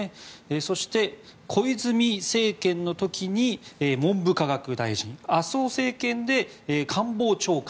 そして、小泉政権の時に文部科学大臣麻生政権で官房長官。